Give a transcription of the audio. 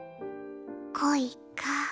恋か。